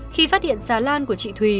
khi phát hiện xà lan của chị thùy